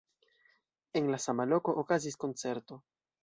En la sama loko okazis koncerto.